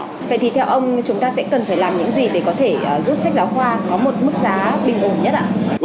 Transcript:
vậy thì theo ông chúng ta sẽ cần phải làm những gì để có thể giúp sách giáo khoa có một mức giá bình ổn nhất ạ